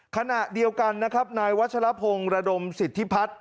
ขณะเดียวกันนะครับนายวัชลพงศ์ระดมสิทธิพัฒน์